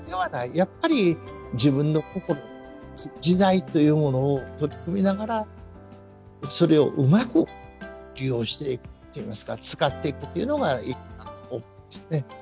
やっぱり自分の心時代というものを取り込みながらそれをうまく利用していくといいますか使っていくというのがいいかなと思いますね。